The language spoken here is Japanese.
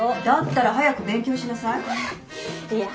だったら早く勉強しなさい。